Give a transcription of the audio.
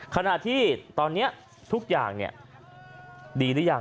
ขณะที่ตอนนี้ทุกอย่างดีหรือยัง